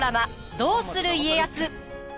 「どうする家康」。